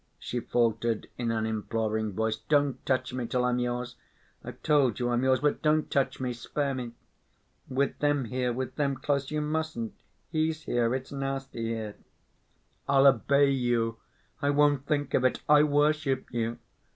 she faltered, in an imploring voice. "Don't touch me, till I'm yours.... I've told you I'm yours, but don't touch me ... spare me.... With them here, with them close, you mustn't. He's here. It's nasty here...." "I'll obey you! I won't think of it ... I worship you!"